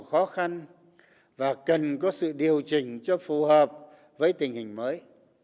khó khăn và cần có sự điều chỉnh cho phù hợp với tình hình mới